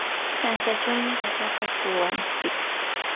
shanshachawmi papata kuwantsik.